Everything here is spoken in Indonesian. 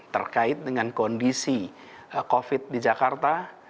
terkait dengan kondisi covid sembilan belas di jakarta